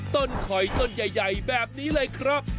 ข่อยต้นใหญ่แบบนี้เลยครับ